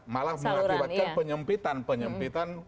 malah mengakibatkan penyempitan